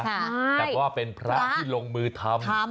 แต่ว่าเป็นพระที่ลงมือทำ